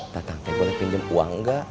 tatang teh boleh pinjem uang gak